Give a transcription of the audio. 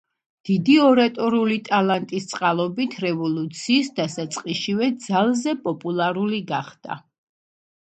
დიდი ორატორული ტალანტის წყალობით რევოლუციის დასაწყისშივე ძალზე პოპულარული გახდა.